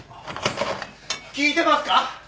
聞いてますか？